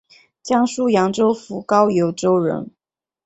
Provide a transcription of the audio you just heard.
江苏扬州府高邮州人。